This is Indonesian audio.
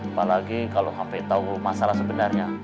apalagi kalau sampe tau masalah sebenarnya